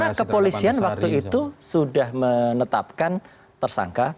karena kepolisian waktu itu sudah menetapkan tersangka